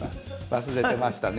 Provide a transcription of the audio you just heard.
忘れてましたね。